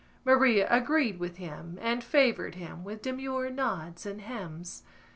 Maria agreed with him and favoured him with demure nods and hems.